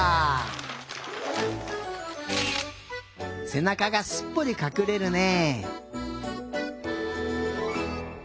せなかがすっぽりかくれるね。